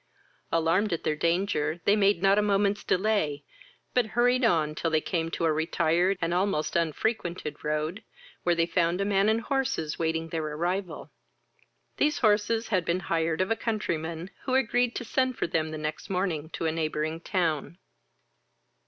Alarmed at their danger, they made not a moment's delay, but hurried on till they came to a retired and almost unfrequented road, where they found a man and horses waiting their arrival. These horses had been hired of a countryman, who agreed to send for them the next morning to a neighbouring town.